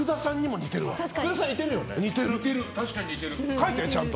書いてちゃんと。